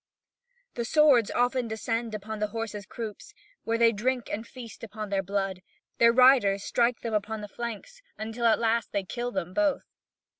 The swords often descend upon the horses' croups, where they drink and feast upon their blood; their riders strike them upon the flanks until at last they kill them both.